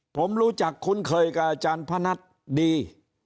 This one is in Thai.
ผมรู้จักคุณเคยกับอาจารย์พนัทธัศนียานนท์ดี